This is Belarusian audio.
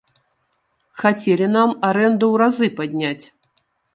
Хацелі нам арэнду ў разы падняць.